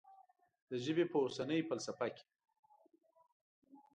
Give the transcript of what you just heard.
د ژبې په اوسنۍ فلسفه کې.